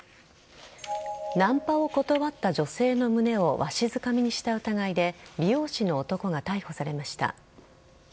ナンパを断った女性の胸をわしづかみにした疑いで美容師の男が逮捕されました。